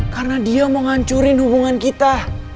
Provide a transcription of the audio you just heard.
karena dia mau ngancurin hubungan kita